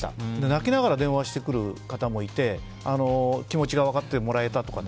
泣きながら電話してくる方もいて気持ちが分かってもらえたとか。